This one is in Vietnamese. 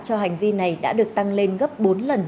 cho hành vi này đã được tăng lên gấp bốn lần